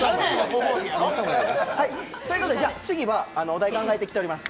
じゃ、次はお題考えてきています。